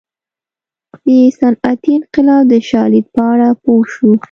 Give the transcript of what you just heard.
د صنعتي انقلاب د شالید په اړه پوه شو.